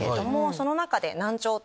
その中で。